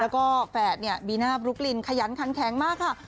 แล้วก็แฝดเนี่ยบีน่าบลุ๊กลินขยันคันแข็งมากค่ะ